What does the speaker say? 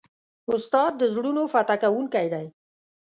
استاد د زړونو فتح کوونکی دی.